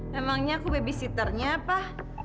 memangnya aku babysitternya pak